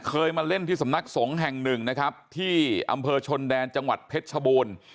เคยมาเล่นที่สำนักสงฆ์แห่งหนึ่งนะครับที่อำเภอชนแดนจังหวัดเพชรชบูรณ์